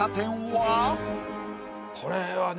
これはね